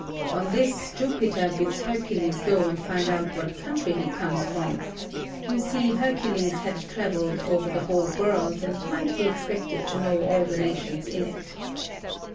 On this Jupiter bids Hercules go and find out what country he comes from; you see Hercules had travelled over the whole world, and might be expected to know all the nations in it.